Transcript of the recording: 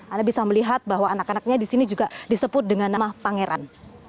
anda bisa melihat bahwa anak anaknya di sini juga disebut dengan nama pangeran